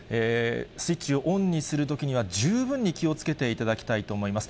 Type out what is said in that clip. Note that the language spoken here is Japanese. スイッチをオンにするときには十分に気をつけていただきたいと思います。